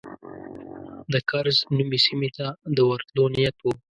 د کرز نومي سیمې ته د ورتلو نیت و.